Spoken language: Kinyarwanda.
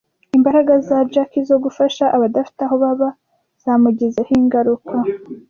Imbaraga za Jackie zo gufasha abadafite aho baba zamugizeho ingaruka.